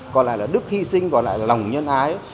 còn lại là đức hy sinh còn lại là lòng nhân ái